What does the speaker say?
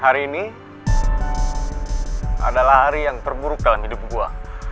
hari ini adalah hari yang terburuk dalam hidup gua